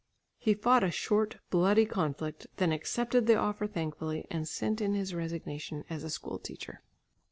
He fought a short bloody conflict, then accepted the offer thankfully, and sent in his resignation as a school teacher.